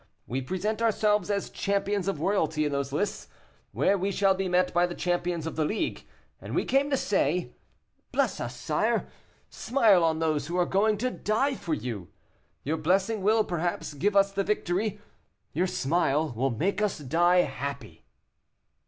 We present ourselves as champions of royalty in those lists, where we shall be met by the champions of the League, and we came to say, 'Bless us, sire, smile on those who are going to die for you.' Your blessing will, perhaps, give us the victory, your smile will make us die happy."